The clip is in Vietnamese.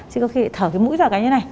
chứ có khi thở cái mũi vào cái như thế này